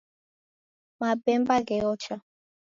Mapemba gheocha